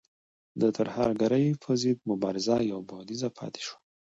د ترهګرۍ پر ضد مبارزه یو بعدیزه پاتې شوه.